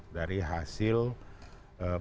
dari hasil pemilihan orang